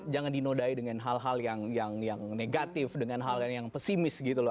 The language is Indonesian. jangan dinodai dengan hal hal yang negatif dengan hal yang pesimis gitu loh